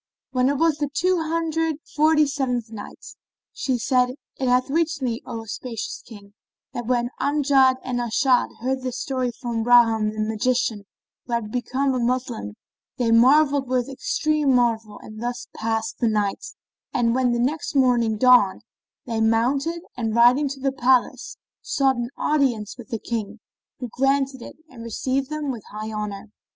When it was the Two Hundred and Forty seventh Night, She said, It hath reached me, O auspicious King, that when Amjad and As'ad heard this story from Bahram the Magian who had become a Moslem, they marvelled with extreme marvel and thus passed that night; and when the next morning dawned, they mounted and riding to the palace, sought an audience of the King who granted it and received them with high honour.